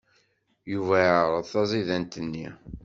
Yuba iɛṛeḍ taẓidant-nni.